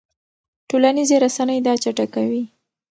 ټولنیزې رسنۍ دا چټکوي.